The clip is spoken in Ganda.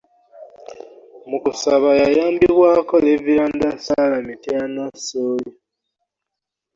Mu kusaba, yayambibwako Leviranda Sarah Mityana Ssooli